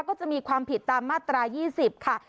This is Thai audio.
ก็จะมีความผิดตามมาตรา๒๐ค่ะ